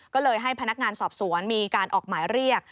ก็เลยให้พนักงานสอบสวนมีการออกหมายเรียก